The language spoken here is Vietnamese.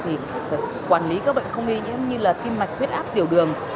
thì phải quản lý các bệnh không y như tim mạch huyết áp tiểu đường